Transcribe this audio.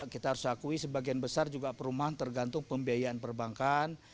kita harus akui sebagian besar juga perumahan tergantung pembiayaan perbankan